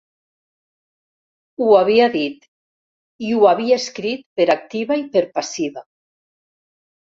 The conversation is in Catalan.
Ho havia dit i ho havia escrit per activa i per passiva.